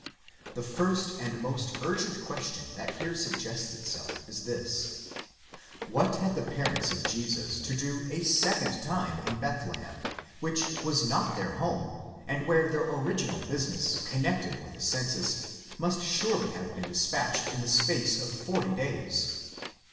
The first and most urgent question that here suggests itself is this: What had the parents of Jesus to do a second time in Bethlehem, which was not their home, and where their original business. connected with the census must surely have been despatched in the space of forty days?